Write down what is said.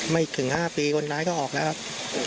ไม่ถึง๕ปีคนร้ายก็ออกแล้วครับ